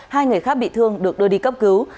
hai người khác bị thương được đưa đi cấp cứu